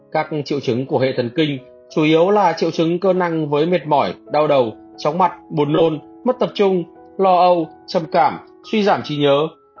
các triệu chứng của hệ thần kinh chủ yếu là triệu chứng cơ năng với mệt mỏi đau đầu chóng mặt buồn nôn mất tập trung lo âu trầm cảm suy giảm trí nhớ